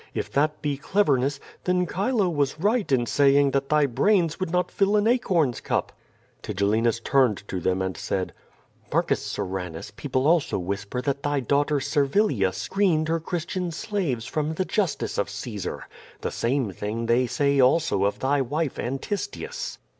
If that be clev erness, then Chilo was right in saying that thy brains would not fill an acorn's cup." Tigellinus turned to them and said: "Barcus Soranus, people also whisper that thy daughter Servilia screened her Christian slaves from the justice of Caesar. The same thing they say also of thy wife, Antistius."